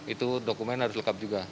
itu dokumen harus lengkap juga